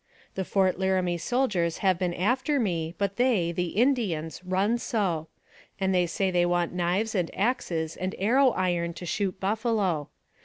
The Fort Laramie soldiers have been after me, but they (the Indians) run so ; and they say they want knives and axes and arrow iron to shoot buffalo.